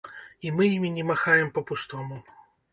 І мы імі не махаем па-пустому.